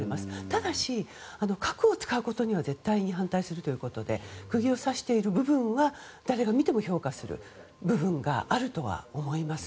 ただし、核を使うことには絶対に反対するということで釘を刺している部分は誰が見ても評価する部分があるとは思います。